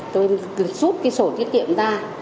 tôi rút cái sổ tiết kiệm ra